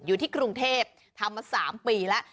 อยู่ที่กรุงเทพทำมา๓ปีแล้ว